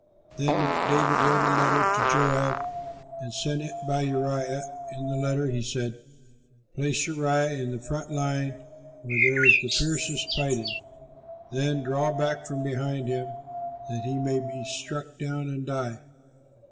Then David wrote a letter to Joab and sent it by Uriah. In the letter, he said, "Place Uriah in the front line where there is the fiercest fighting, then draw back from behind him, that he may be struck down and die."